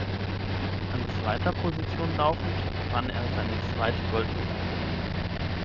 An zweiter Position laufend, gewann er seine zweite Goldmedaille.